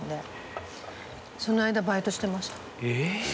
その間バイトしてました。